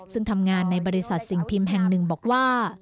ซึ่งทำงานในบริษัทสิ่งพิมพ์แห่งหนึ่งบอกว่า